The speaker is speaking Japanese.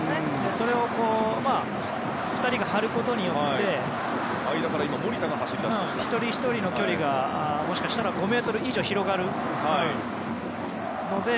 それを２人が張ることで一人ひとりの距離がもしかしたら５ｍ以上、広がるので。